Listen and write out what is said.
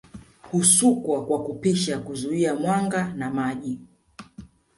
Husukwa kwa kupisha kuzuia mwanga na maji